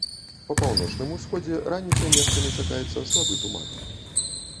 Па паўночным усходзе раніцай месцамі чакаецца слабы туман.